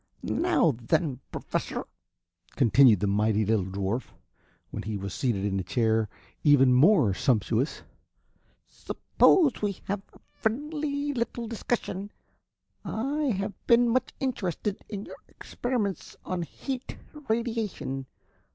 "Now then, Professor," continued the mighty little dwarf, when he was seated in a chair even more sumptuous, "suppose we have a friendly little discussion. I have been much interested in your experiments on heat radiation.